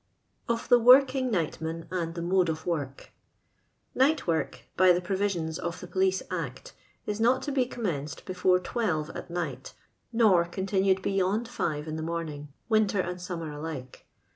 Of the Woiuaxo NioHrnM axd th£ Mods or Woas. KioiiTwonK, by the provisions of the Policd Act, is not to be ecmmcnced before twelve ai night, nor continued bej'ond five in the mum ing, winter and summer alike.